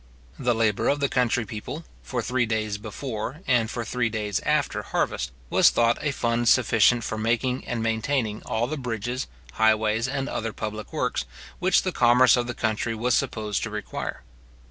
The labour of the country people, for three days before, and for three days after, harvest, was thought a fund sufficient for making and maintaining all the bridges, highways, and other public works, which the commerce of the country was supposed to require.